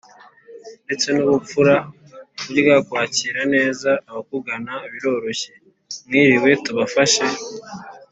ndetse n’ubupfura. burya kwakira neza abakugana biroroshye. “mwiriwe, tubafashe